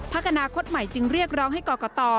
อนาคตใหม่จึงเรียกร้องให้กรกต